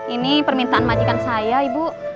ini permintaan majikan saya ibu